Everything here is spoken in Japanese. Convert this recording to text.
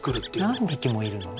何匹もいるの？